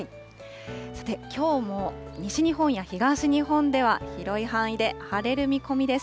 さて、きょうも西日本や東日本では、広い範囲で晴れる見込みです。